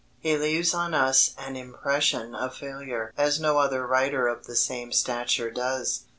He leaves on us an impression of failure as no other writer of the same stature does.